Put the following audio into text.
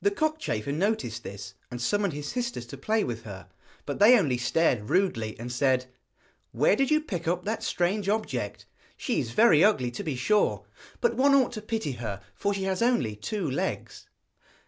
The cockchafer noticed this, and summoned his sisters to play with her; but they only stared rudely, and said: 'Where did you pick up that strange object? She is very ugly to be sure, but one ought to pity her for she has only two legs.'